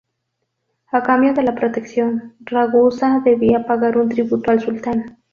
A cambio de la protección, Ragusa debía pagar un tributo al sultán.